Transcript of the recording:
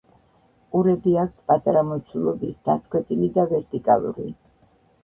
ყურები აქვთ პატარა მოცულობის, დაცქვეტილი და ვერტიკალური.